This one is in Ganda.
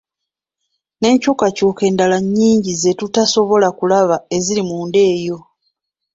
N'enkyukakyuka endala nnyingi ze tutasobola kulaba eziri munda eyo.